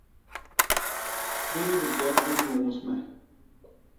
Bini bijek bi nnuus me.